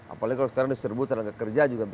apalagi kalau sekarang diserbut atau kekerja juga